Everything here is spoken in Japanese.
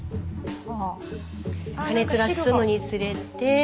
加熱が進むにつれて。